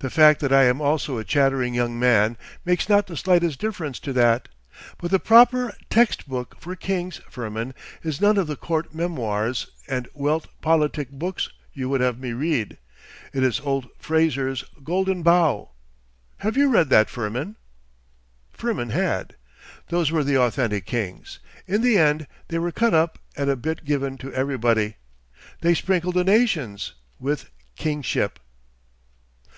The fact that I am also a chattering young man makes not the slightest difference to that. But the proper text book for kings, Firmin, is none of the court memoirs and Welt Politik books you would have me read; it is old Fraser's Golden Bough. Have you read that, Firmin?' Firmin had. 'Those were the authentic kings. In the end they were cut up and a bit given to everybody. They sprinkled the nations—with Kingship.